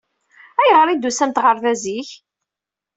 Ayɣer ay d-tusamt ɣer da zik?